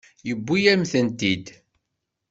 Yewwi-yam-tent-id.